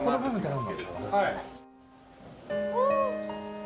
うん。